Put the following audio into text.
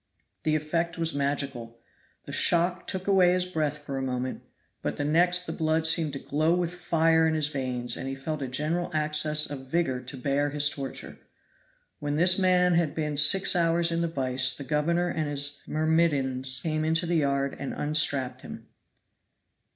The effect was magical; the shock took away his breath for a moment, but the next the blood seemed to glow with fire in his veins and he felt a general access of vigor to bear his torture. When this man had been six hours in the vise the governor and his myrmidons came into the yard and unstrapped him.